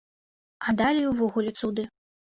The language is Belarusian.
А далей увогуле цуды.